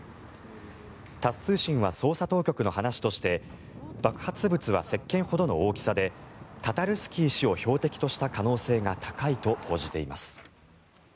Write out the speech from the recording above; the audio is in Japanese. タス通信は捜査当局の話として爆発物はせっけんほどの大きさでタタルスキー氏を標的とした可能性が高いと報じています。